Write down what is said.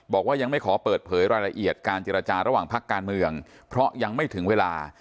บอกว่ายังไม่ขอเปิดเผยรายละเอียดการเจรจาระหว่างพักการเมืองเพราะยังไม่ถึงเวลา